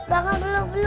bangal belus belus